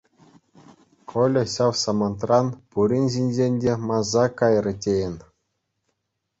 Коля ҫав самантран пурин ҫинчен те манса кайрӗ тейӗн.